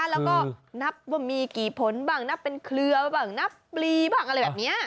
แล้วก็นับว่ามีกี่ผลบ้างนับเป็นเครือบ้างนับปลีบ้างอะไรแบบนี้